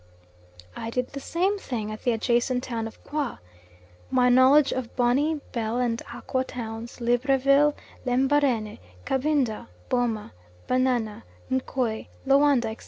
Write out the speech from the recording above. I did the same thing at the adjacent town of Qwa. My knowledge of Bonny, Bell, and Akkwa towns, Libreville, Lembarene, Kabinda, Boma, Banana, Nkoi, Loanda, etc.